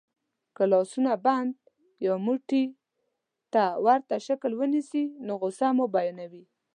که لاسونه بند یا موټي ته ورته شکل کې ونیسئ نو غسه مو بیانوي.